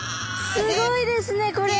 すごいですねこれ！